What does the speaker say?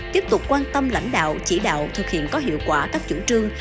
tiếp tục quan tâm lãnh đạo chỉ đạo thực hiện có hiệu quả các chủ trương